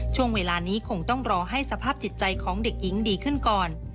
ช่วงเวลานี้คงต้องรอให้สภาพจิตใจของเด็กหญิงดีขึ้นก่อน